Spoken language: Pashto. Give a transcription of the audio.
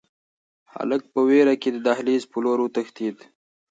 هلک په وېره کې د دهلېز په لور وتښتېد.